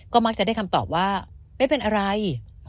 ก็มักจะได้คำตอบว่าไม่เป็นอะไร